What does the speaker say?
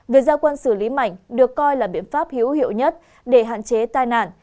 việc giao quan xử lý mạnh được coi là biện pháp hữu hiệu nhất để hạn chế tai nạn